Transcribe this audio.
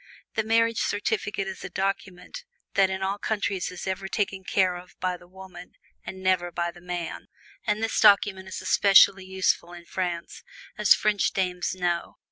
The marriage certificate is a document that in all countries is ever taken care of by the woman and never by the man. And this document is especially useful in France, as French dames know.